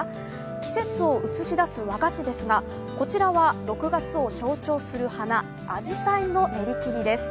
季節を映し出す和菓子ですがこちらは６月を象徴する花・あじさいの練り切りです。